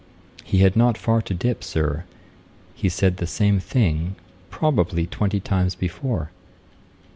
'He had not far to dip, Sir: he said the same thing, probably, twenty times before.'